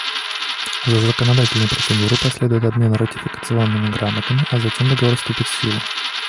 За законодательной процедурой последует обмен ратификационными грамотами, а затем Договор вступит в силу.